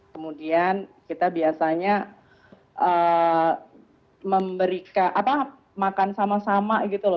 kemudian kita biasanya memberikan makan sama sama gitu loh